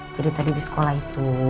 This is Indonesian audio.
jadi tadi di sekolah itu